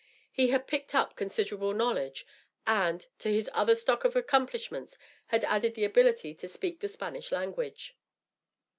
He had picked up considerable knowledge, and, to his other stock of accomplishments, had added the ability to speak the Spanish language.